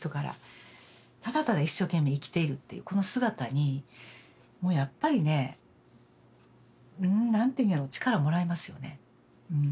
ただただ一生懸命生きているっていうこの姿にもうやっぱりね何て言うんやろう力もらいますよね。